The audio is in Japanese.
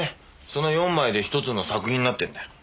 その４枚で１つの作品になってるんだよ。